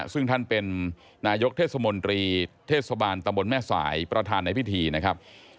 ซึ่งท่านเป็นนายกเทศมนตรีเทศบาลตำบลแม่สายประธานในพิธีนะครับ